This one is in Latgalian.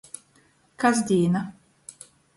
Kasdīna.